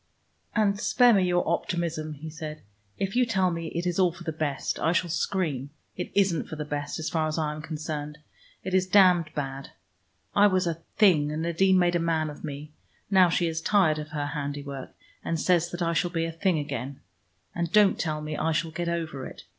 "And spare me your optimism," he said. "If you tell me it is all for the best, I shall scream. It isn't for the best, as far as I am concerned. It is damned bad. I was a Thing, and Nadine made a man of me. Now she is tired of her handiwork, and says that I shall be a Thing again. And don't tell me I shall get over it.